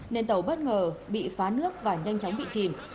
nên tàu bất ngờ bị phá nước và nhanh chóng bị chìm